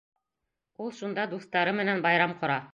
Ул шунда дуҫтары менән байрам ҡора.